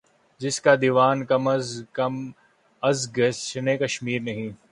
جس کا دیوان کم از گلشنِ کشمیر نہیں